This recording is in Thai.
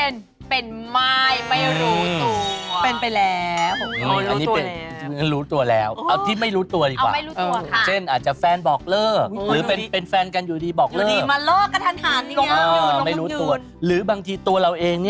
เดือนที่ต้องระวังคือเดือนมีนาคม